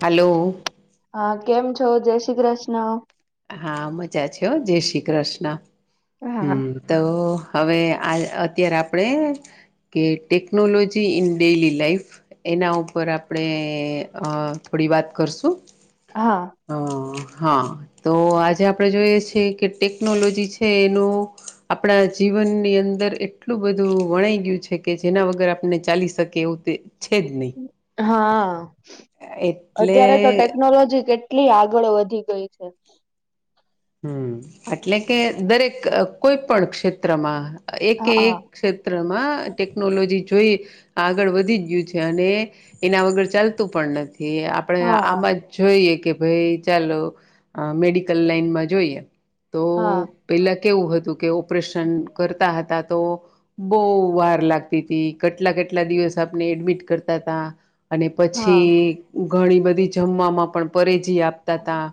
હાલો. હા કેમ છો? જય શ્રી કૃષ્ણ. હા મજા છે હો, જય શ્રી કૃષ્ણ. હા. હમ્મ તો. હવે આ અત્યારે આપણેે કે ટેકનોલોજી ઇન ડેયલી લાઈફ એના ઉપર આપણે અ થોડી આપડી વાત કરશું. હા. અ હા, તો આજે આપડે જોઈએ છેએ કે ટેકનોલોજી છે એનું આપણા જીવ જીવનની અંદર એટલું બધું વણાઈ ગયું છે કે જેના વગર આપને ચાલી શકે એવું તે છે જ નહીં હા, એટલે અત્યારે તો હ ટેકનોલોજી કેટ લી આગળ વધી ગઈ છે. હમ્મ, એટલે કે દરેક કોઈ પણ ક્ષેત્રમાં. એક હા એક ક્ષેત્રમાં ટેકનોલોજી જોઈ આગળ વધી ગયું છે અને એના વગર ચાલતું પણ નથી. ઈ આપણે હા આમાં જ જોઈએ કે ભાઈ ચાલો મેડિકલ લાઈનમાં જોઈએ હા. તો પેલા કેવું હતું કે ઓપરેશન કરતા હતા તો બહુ વાર લાગતી કેટલા કેટલા દિવસ આપણે એડમિટ કરતા તા અને હા પછી ઘણી બધી જમવામાં પણ પરેજી આપતા તા.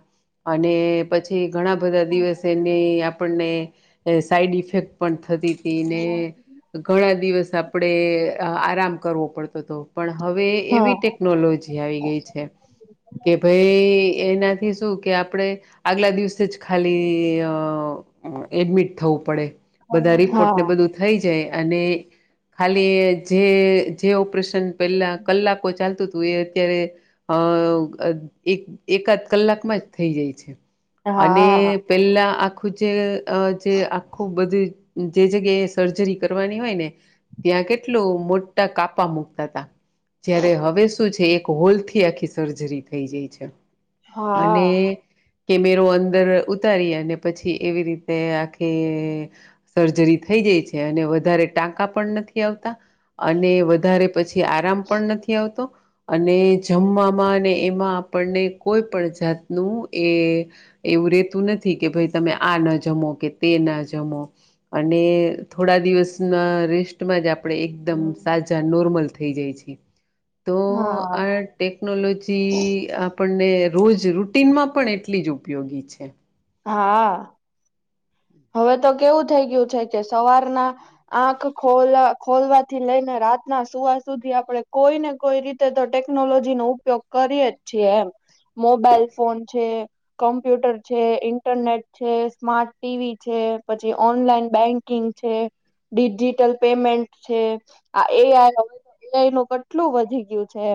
અને પછી ઘણા બધા દિવસે એની આપણને સાઈડ ઇફેક્ટ પણ થતી તી ને ઘણા દિવસ આપણે આરામ કરવો પડતો તો. પણ હવે હા એવી ટેકનોલોજી આવી ગઈ છે કે ભઈ એનાથી શું કે આપણે આગલા દિવસે જ ખાલી અ એડમિટ થવું પડે. બધા રિપોર્ટ ને હા બધું થઈ જાય અને ખાલી જે જે ઓપરેશન પેલા કલાકો ચાલતું તુ એ અત્યારે અ એક એકાદ કલાકમાં જ થઈ જાય છે. અને હા પેલા આખું જે જે આખું બધું જે જગ્યાએ સર્જરી કરવાની હોય ને ત્યાં કેટલું મોટા કાપા મુકતા તા. જય્યારે હવે શું છે એક હોલ થી આખી સર્જરી થઈ જાય છે. અને હા કેમેરો અંદર ઉતારી અને પછી એવી રીતે આખી સર્જરી થઈ ગઈ છે અને વધારે ટાંકા પણ નથી આવતા અને વધારે પછી આરામ પણ નથી આવતો અને જમવામાં અને એમાં આપણને કોઈ પણ જાતનું એ એવું રેતું નથી કે ભાઈ તમે આ ન જમો કે તે ના જમો અને થોડા દિવસના રેસ્ટમાં જ આપણેે એકદમ સાજા નોર્મલ થઈ જાય છે. તો હા આ ટેકનોલોજી આપ પણને રોજ રૂટીનમાં પણ એટલી જ ઉપયોગી છે. હા. હવે તો કેવું થઈ ગયું છે કે સવારના આંખ ખો ખોલવાથી લઈને રા રાતના સુવા સુધી આપણે કોઈ ને કોઈ રીતે તો ટેકનોલોજી નો ઉપયોગ કરીય જ છીએ એમ. મોબાઈલ ફોન છે, કોમ્પ્યુટર છે, ઇન્ટરનેટ છે, સ્માર્ટ ટીવી છે પછી ઓનલાઈન બેંકિંગ છે ડિજિટલ પેમેન્ટ છે. આ એઆઈ હવે એઆઈ નું કેટલું વધી ગયું છે.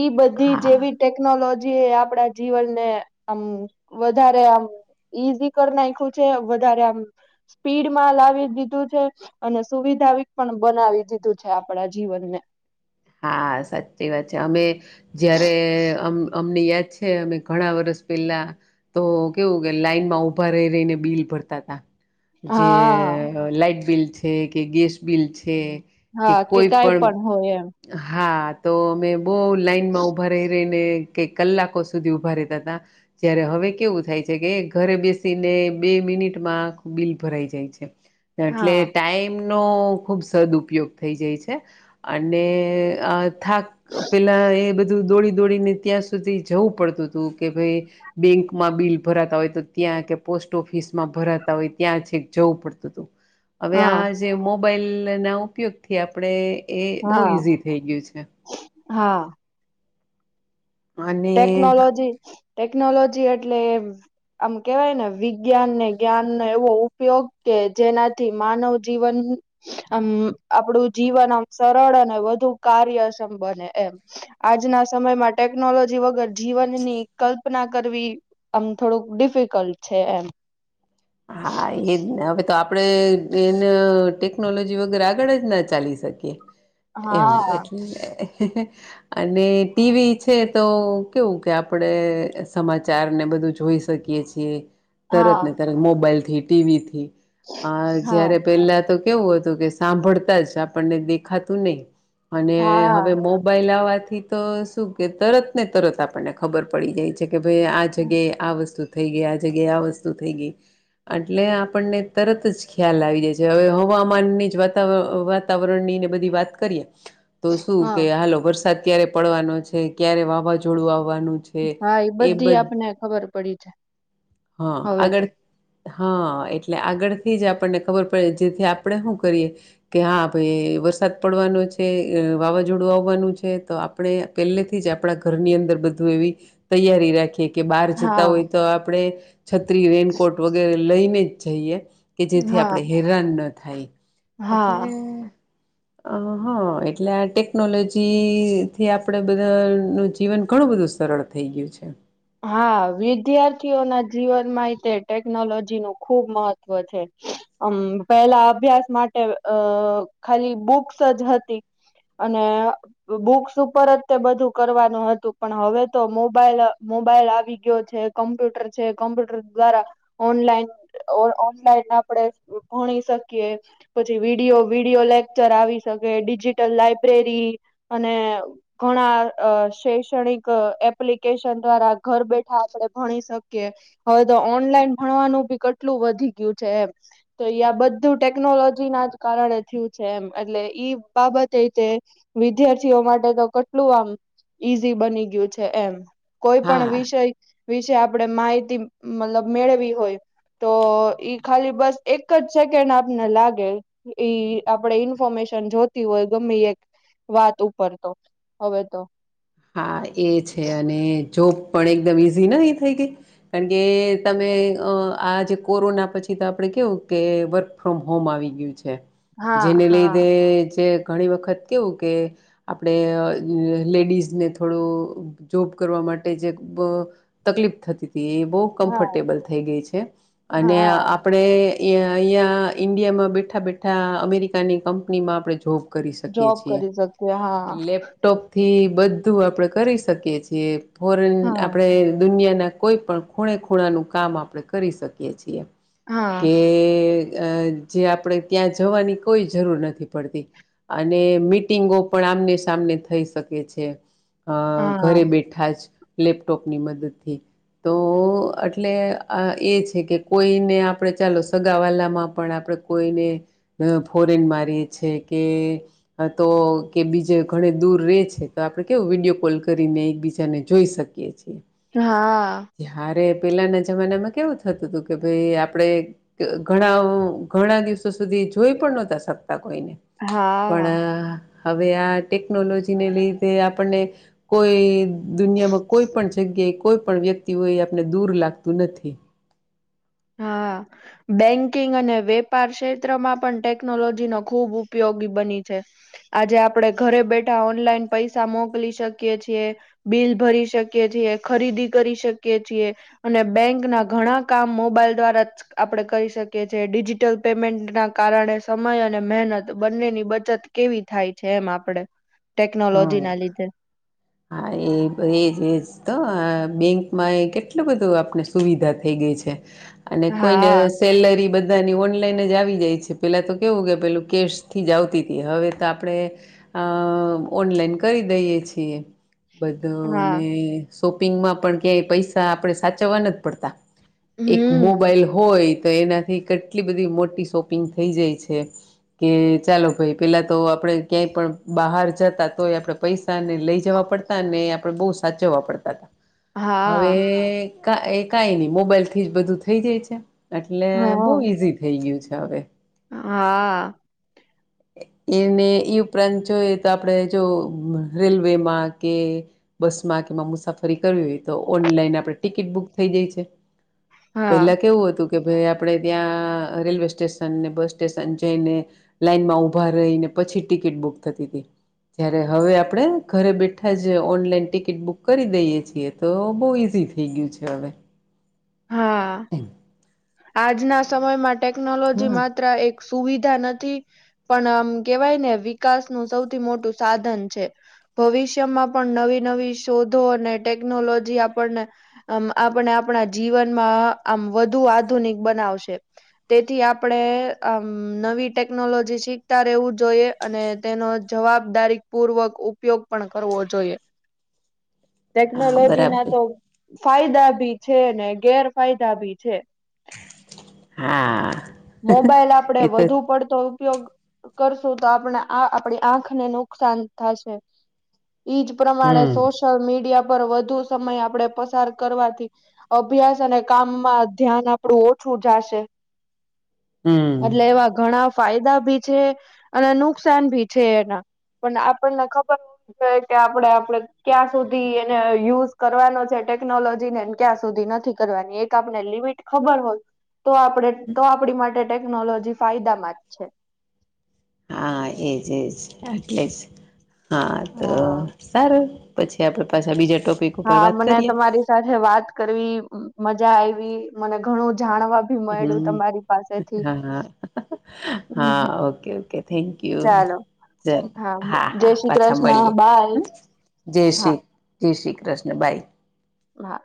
ઈ બધી હા. જેવી ટેકનોલોજી આપડા જીવનને આમ વધારે આમ ઈઝી કરી નાયખૂ છે. વધારે આમ સ્પીડમાં લાવી દીધું છે અને સુવિધાવીક પણ બનાવી દીધું છે. આપણા જીવનને હા સાચી વાત છે અમે જયારે અમને યાદ છે અમે ઘણા વર્ષ પેલા તો કેવું કે લાઈન માં ઉભા રહી રહીને બિલ ભરતા તા. જે હા લાાઈટ બિલ છે કે ગેસ બિલ છે હા કે કઈ પણ હોય એમ હા તો અમે બો લાઈન માં ઉભા રેય રેય ને કે કલાકો સુધી ઉભા રેતાતા જ્યારે હવે કેવું થાય છે કે ઘરે બેસીને બે મિનિટમાં આખુ બિલ ભરાઈ જાય છે. એટલે હા ટાઈમનો ખુબ સદ ઉપયોગ થઈ જાય છે અને થાક પેલા એ બધું દોડી દોડીને ત્યાં સુધી જવું પડતું હતું કે ભાઈ બેંકમાં બિલ ભરાતા હોય તો ત્યાં કે પોસ્ટ ઓફીસમાં ભરાતા હોય ત્યાં છેક જવું પડતું હતું હવે હા આ મો બાઈલ ના ઉપયોગ થી આપણેે એ બહુ હા ઈઝી થઈ ગયું છે. હા. અને ટેકનોલોજી ટેકનોલોજી એટલે આમ કેવાય ને વિજ્ઞાન ને જ્ઞાનનો એવો ઉપયોગ કે જેનાથી માનવ જીવન આમ આપડું જીવન આમ સરળ અને વધુ કાર્યક્ષમ બને એમ આજના સમયમાં ટેકનોલોજી વગર જીવનની કલ્પના કરવી આમ થોડુંક ડિફિકલ્ટ છે એમ [inaudible] હા એજ ને હવે તો આપણે એને ટેકનોલોજી વગર આગળ જ ના ચાલી શકીએ એમ હા એટલે અને ટીવી છે તો કેવું કે આપડે સમાચાર ને બધું જોઈ શકીએ છીએ. હા. મોબાઈલ થી ટીવીથી આ હા જયારે પેલા તો કેવું હતું કે સાંભળતા જ આપણને દેખાતું નય અને હા હવે મોબાઈલ આવા થી તો શું કે તરત ને તરત આપણને ખબર પડી જાય છે કે ભાઈ આ જગ્યાએ આ વસ્તુ થઈ ગઈ આ જગ્યાએ આ વસ્તુ થઈ ગઈ એટલે આપણને તરત જ ખ્યાલ આવી જાય છે હવે હવામાનની જ વાતાવર વાતાવરણની બધી વાત કરીએ તો શું હા કે હાલો વરસાદ ક્યારે પડવાનો છે ક્યારે વાવાઝોડું આવ વાનું છે હા એ બ બધી આપને ખબર પડી છે હ હવે તો આગળ હા એટલે આગળથી જ આપણને ખબર પડે જેથી આપણે હું કરીએ કે હા ભાઈ એ વરસાદ પડવાનો છે વાવાઝોડું આવવાનું છે તો આપણે પહેલેથી જ આપણા ઘરની અંદર બધું એવી તૈયારી રાખીએ. કે બાર જતા હા હોય તો આપણે છત્રી રેનકોટ વગેરે લઈને જ જઈએ. કે જેથી હા આપણે હેરાન ન થાય એટલે હા અ હ એટલે આ ટેકનોલોજી થી આપડે બધા નું જીવન ઘણું બધું સરળ થઈ ગયું છે. હા વિદ્યાર્થીઓ ના જીવનમાં તે ટેકનોલોજી નું ખુબ મહત્વ છે. અમ પેલા અભ્યાસ માટે અ ખાલી બુક્સ જ હતી. અને બુક્સ ઉપર જ તે બધું કરવાનું હતું પણ હવે તો મોબાઈલ મોબાઈલ આવી ગયો છે કોમ્પ્યુટર છે કોમ્પ્યુટર દ્વારા ઓનલાઈન ઓનલાઈન આપડે ભણી શકીએ પછી વિડીયો વિડીયો લેકચર આવી શકી ડિજિટલ લાયબ્રેરી અને ઘણા અ શૈક્ષણિક એપ્લિકેશન દ્વારા ઘર બેઠા આપડે ભણી શકીએ હવે તો ઓનલાઈન ભણવાનું ભી કટલું વધી ગયું તો બધું ટેકનોલોજી ના જ કારણે થયું છે એમ એટલે ઈ બાબત તે વિદ્યાર્થીઓ માટે તો કેટલું આમ ઈઝી બની ગયું છે એમ કોઈ પણ હા વિષય વિશે આપડે માહિતી મતલબ મેળવી હોય તો ઈ ખાલી બસ એક જ સેકન્ડ આપને લાગે ઈ આપડે ઇન્ફોર્મેશ જોતી હોય ગમે એક વાત ઉપર તો હવે તો હા એ છે અને જોબ પણ એકદમ ઈઝી નથીહી થઈ ગઈ કારણ કે તમે આ જે કોરોના પછી આપે કેવું કે વર્ક ફ્રોમ હોમ આવી ગયું છે હા જેને હા લીધે જે ઘણી વખત કેવું કે આપણેે લેડીઝ ને થોડું જોબ કરવા માટે જે તકલીફ થતી થી એ બહુ હા કમ્ફર્ટેબલ થઈ ગઈ છે અને હા આપણે એં અહીંયા ઇન્ડિયામાં બેઠા બેઠા અમેરિકાની કંપનીમાં આપણે જોબ કરી શકી જોબ છી કરી શકીએ હા લેપટોપ થી બધું આપડે કરી શકીએ છીએ ફોરેન આપણે દુનિયા ના કોઈ પણ ખૂણે ખૂણાનું નુ કામ આપણે કરી શકીએ છીએ હા કે અ જે આપણે ત્યાં જવાની કોઈ જરૂર નથી પડતી અને મિટિંગો પણ સામને સામને થઈ શકે છે અ હા ઘરે બેઠા જ લેપટોપની મદદથી તો એટલે આ એ છે કે કોઈને આપડે ચાલો સગા વાલામાં પણ આપ કોઈને ફોરેન મારીએ છે કે તો કે બીજે ઘ દૂર રે છે તો આપડણે કેવું વિડીયો કોલ કરીને એકબીજાને જોઈ શકીએ છીએ હા ત્યારે પેલાના જમાનામાં કેવું થતું હતું કે ભાઈ આપણે ઘણા ઘણા દિવસો સુધી જોઈ પણ નહોતા શક પણ હા હવે આ ટેકનોલોજીને લીધે આપને કોઈ દુનિયામાં કોઈ પણ જગ્યાએ કોઈ પણ વ્યક્તિ હોય એ આપને દૂર લાગતું નથી બેંકિંગ અને વેપાર ક્ષેત્રમાં પણ ટેકનોલોજી નો ખુબ ઉપયોગી બની છે આજે આપડે ઘરે બેઠા ઓનલાઈન પૈસા મોકલી શકીએ છીએ બિલ ભરી શકીએ છીએ ખરીદી કરી શકીએ છીએ અને બેંક ના ઘણા કામો મોબાઈલ દ્વારા જ આપણે કરી શકીએ છીએ ડિજિટલ પેમેન્ટના કારણે સમય અને મહેનત બ નેની બચત કેવી થાય છે, એમ આપડે હા ટેકનોલોજી ના લીધે હા એ એજ એજ તો બેંકમાં એ કેટલું બધું આપને સુવિધા થઈ ગઈ છે, અને કોઈને હા સેલરી બધ ધાની ઓનલાઈન જ આવી જાય છે, પેલા તો કેવું કે પેલું કેશથી જ આવતી હતી હવે તો આપડે અ ઓનલાઈન કરી દઈએ છીએ હા બધુંને શોપિંગમાં પણ ક્યાંય પૈસા આપણે સાચવવા નથ પડતા એક હમ મોબાઈલ હોય તો એનાથી કેટલી બધી મોટી શોપિંગ થઈ જાય છે. કે ચાલો ભાઈ પેલા તો આપડે ક્યાંય પણ બહાર જત તા તોય આપડે પૈસા ને લઈ જવા પડતા ને આપણે બોવ સાચવવા પડતા હવે હા કા એ કઈ ની મોબાઈલથી જ બધું થઈ જાય છે. એટલે બોવ હા ઈઝી થઈ ગયું છે, હવે હા. એને ઈ ઉપરાંત જોઈએ તો આપણે જો રેલવેમાં કે બસમાં કે એમાં મુસાફરી કરવી હોય તો ઓનલાઈન આપડે ટિકિટ બુક થઈ જઈ છે, હા પેલા કેવું હતું કે ભાઈ આપડે ત્યાં રેલવે સ્ટેશન ને બસ સ્ટેશન જઈને લાઈન માં ઉભા રહીને પછી ટિકિટ બુક થતી હતી જયારે હવે આપણે ઘરે બેઠા જ ઓનલાઈન ટિકિટ બુક કરી દઈએ છીએ તો બહુ ઈઝી થઈ ગયું છે, હવે હા એમ. આજના સમયમાં ટેકનોલોજી હા માત્ર એક સુવિધા નથી પણ આમ કેવાય ને વિકાસનું સૌથી મોટું સાધન છે. ભવિષ્યમાં પણ નવી નવી શોધો અને ટેકનોલોજી આપણને આમ આપને આપણા જીવનમાં આમ વધુ આધુનિક બનાવશે તેથી આપણે આમ ન વી ટેકનોલોજી શીખતા રહેવું જોઈએ અને તેનો જવાબદારી પૂર્વક ઉપયોગ પણ કરવો જોઈએ [inaudible] હા ટેકનોલોજી ના બરાબર તો ફાયદા ભી છે, ને ગેરફાયદા ભી છે. હા મોબાઈલ આપડે એ તો વધુ પડતો ઉપયોગ કરશું તો આપણા આ આપડી આંખને નુકસાન થશે ઈજ પ્રમાણે હમ સોશયલ મીડિયા પર વધુ સમય આપડે પસાર કરવાથી અભ્યાસ અને કામમાં ધ્યાન આપડું ઓછું જાશે હમ એટલે એવા ઘણા ફાયદા ભી છે, અને નુકસાન ભી છે, એના પણ આપણને ખબર હો જોએ કે આપડે આપડે ક્યાં સુધી એને યુઝ કરવાનો છે. ટેકનોલોજી ને ક્યાં સુધી નથી કરવાની એક આપને લિમિટ ખબર હોય તો આપણે તો આપણી માટે ટેકનોલોજી ફાયદામાં જ છે. હા એજ એજ એટલે જ હા તો હા સારું પછી આપડે પાછા બીજા ટોપિક ઉપર હા વાત મને કરીએ તમારી સાથે વાત કરવી મજા આયવી મને ઘણું જાણવા ભી મળ્યું હમમ તમારી પાસેથી હ હા ઓકે ઓકે થેક ક્યુ ચાલો ચાલ હા જય હા શ્રી પાછા મળીએે કૃષ્ણ બાય જય હા શ્રી જય શ્રી કૃષ્ણ બાય હા.